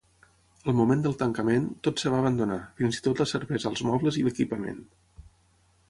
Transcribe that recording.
Al moment del tancament, tot es va abandonar, fins i tot la cervesa, els mobles i l'equipament.